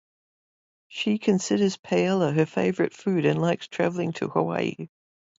She considers paella her favorite food and likes traveling to Hawaii.